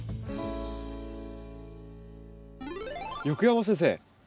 横山先生